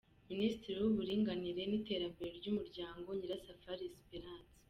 Minisitiri w’Uburinganire n’Iterambere ry’Umuryango: Nyirasafali Esperance.